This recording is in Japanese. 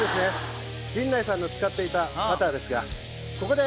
陣内さんの使っていたパターですがここで。